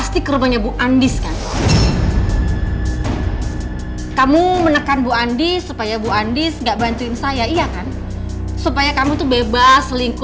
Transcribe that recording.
tolong kamu jangan bikin papa tambah pusing